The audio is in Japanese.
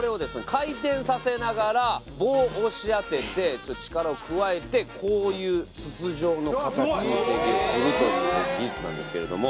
回転させながら棒を押し当てて力を加えてこういう筒状の形に成形するという技術なんですけれども。